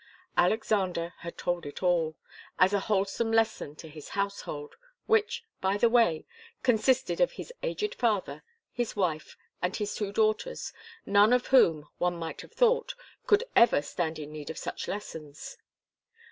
Alexander had told it all, as a wholesome lesson to his household, which, by the way, consisted of his aged father, his wife, and his two daughters, none of whom, one might have thought, could ever stand in need of such lessons.